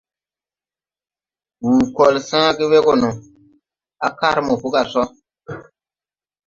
Wù kɔl sããge we gɔ no á kar mopo gà sɔ.